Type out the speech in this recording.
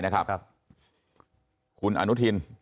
คุณอนุทิน